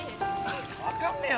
分かんねえよ